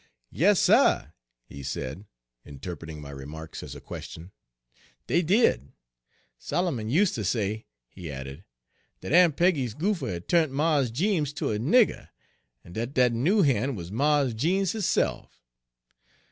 "Yas, suh," he said, interpreting my remarks as a question, "dey did. Solomon useter say," he added, "dat Aun' Page 100 Peggy's goopher had turnt Mars Jeems ter a nigger, en dat dat noo han' wuz Mars Jeems hisse'f.